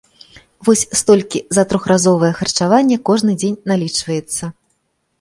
Вось столькі за трохразовае харчаванне кожны дзень налічваецца.